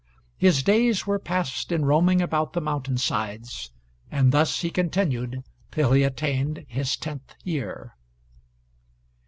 His days were passed in roaming about the mountain sides; and thus he continued till he attained his tenth year.